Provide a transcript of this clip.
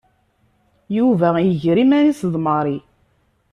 Yuba iger iman-is d Mary.